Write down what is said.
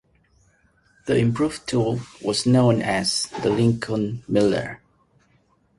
The improved tool was known as the Lincoln Miller.